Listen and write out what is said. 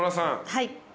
はい。